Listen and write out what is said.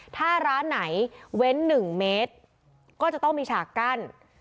ถ้าร้านไหนเว้น๑เมตรก็จะต้องมีฉากกั้น